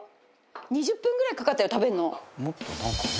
２０分ぐらいかかったよ食べるの。